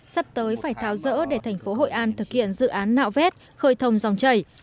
sắp tới phải tháo rỡ để thành phố hội an thực hiện dự án nạo vét khơi thông dòng chảy